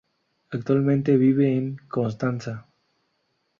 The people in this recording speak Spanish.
Actualmente vive en Constanza.